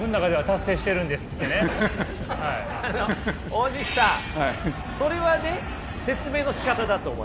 大西さんそれはね説明のしかただと思います。